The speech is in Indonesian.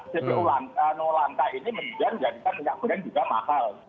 cpo no lanka ini menjadikan minyak goreng juga mahal